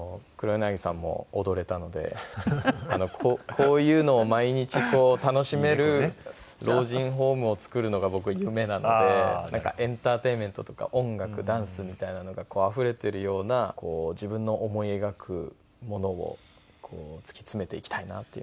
こういうのを毎日楽しめる老人ホームを作るのが僕夢なのでなんかエンターテインメントとか音楽ダンスみたいなのがあふれているような自分の思い描くものを突き詰めていきたいなっていうのは思います。